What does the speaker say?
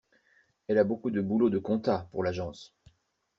Elle a beaucoup de boulot de compta pour l'agence.